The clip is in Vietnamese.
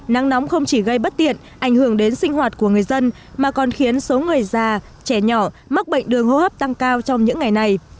nắng nóng không chỉ gây bất tiện ảnh hưởng đến sinh hoạt của người dân mà còn khiến số người già trẻ nhỏ mắc bệnh đường hô hấp tăng cao trong những ngày này